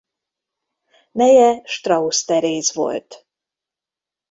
Neje Strausz Teréz volt.